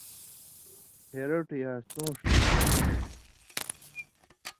پھېرٹوۡ یا سُونݜوۡ نی بنُژ